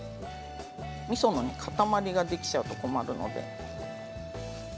みその塊ができてしまうと困るので。